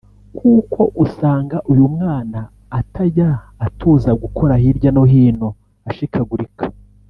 kuko usanga uyu mwana atajya atuza gukora hirya no hino ashikagurika”